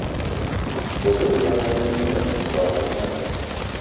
Bobejang, be ne mboigi imen.